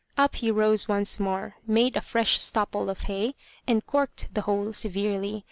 Up he rose once more, made a fresh stopple of hay, and corked the hole severely.